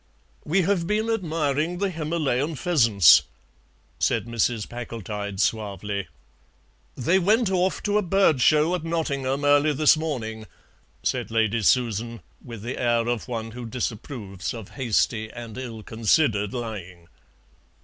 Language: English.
"We have been admiring the Himalayan pheasants," said Mrs. Packletide suavely. "They went off to a bird show at Nottingham early this morning," said Lady Susan, with the air of one who disapproves of hasty and ill considered lying.